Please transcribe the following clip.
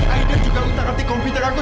aida juga utang utang komputer aku